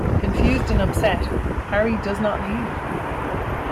Confused and upset, Harry does not leave.